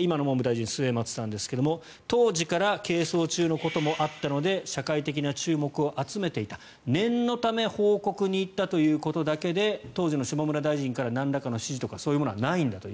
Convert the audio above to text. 今の文科大臣、末松さんですが当時から係争中のこともあったので社会的な注目を集めていた念のため報告に行ったということだけで当時の下村大臣からなんらかの指示とかはないと。